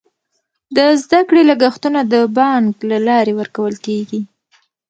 د زده کړې لګښتونه د بانک له لارې ورکول کیږي.